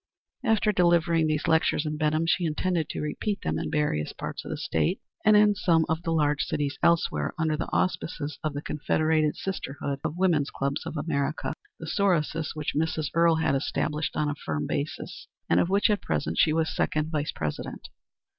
After delivering these lectures in Benham she intended to repeat them in various parts of the State, and in some of the large cities elsewhere, under the auspices of the Confederated Sisterhood of Women's Clubs of America, the Sorosis which Mrs. Earle had established on a firm basis, and of which at present she was second vice president.